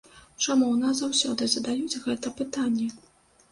Чаму ў нас заўсёды задаюць гэта пытанне?